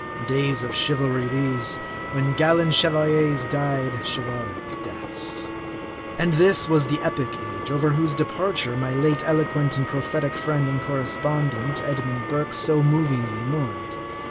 Days of chivalry these, when gallant chevaliers died chivalric deaths ! And this was the epic age, over whose departure my late eloquent and prophetic friend and correspondent, Edmund Burke, so movingly mourned.